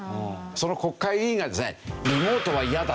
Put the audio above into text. その国会議員がですねリモートは嫌だと。